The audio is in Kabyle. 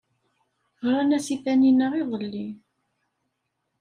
Ɣran-as i Taninna iḍelli.